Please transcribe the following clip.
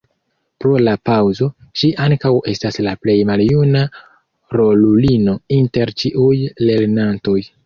Pro la paŭzo, ŝi ankaŭ estas la plej maljuna rolulino inter ĉiuj lernantoj.